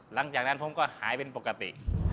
หลังจากนั้นผมก็หายเป็นปกติ